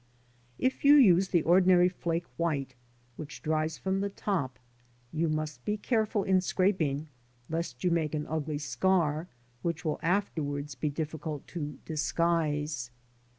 If you use the ordinary flake white, which dries from the top, you must be careful in scraping lest you make an ugly scar, which will afterwards be difficult to disguise.